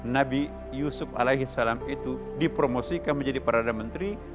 nabi yusuf alaihissalam itu dipromosikan menjadi parada menteri